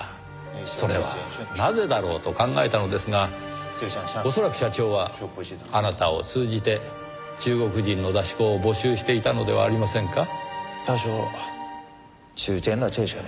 それはなぜだろう？と考えたのですが恐らく社長はあなたを通じて中国人の出し子を募集していたのではありませんか？